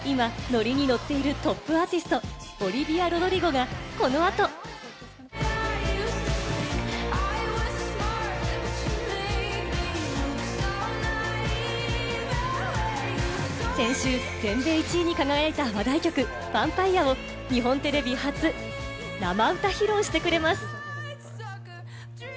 今、ノリにノッているトップアーティスト、オリヴィア・ロドリゴがこの後、先週全米１位に輝いた話題曲『ｖａｍｐｉｒｅ』を日本のテレビ初、生歌披露してくれます。